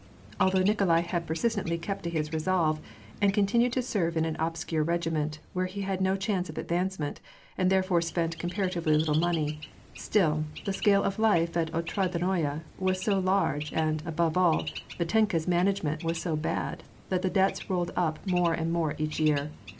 Although Nikolai had persistently kept to his resolre^ and eontinued to serve in an obscure regiment, where he had no ehance of advancement, and therefore spent comparatively little money, still, the scale of life at Otradnoye was so large, and, above all, Mitenka's management was so bad, that the debts rolled up more and more each year.